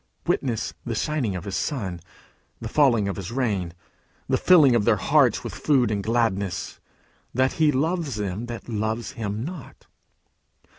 Witness the shining of his sun and the falling of his rain, the filling of their hearts with food and gladness, that he loves them that love him not.